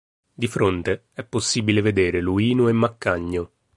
Di fronte è possibile vedere Luino e Maccagno.